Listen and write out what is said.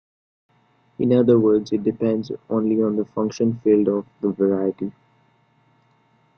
In other words, it depends only on the function field of the variety.